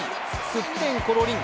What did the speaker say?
すってんころりん。